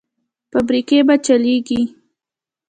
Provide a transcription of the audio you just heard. فابریکې به چلېږي؟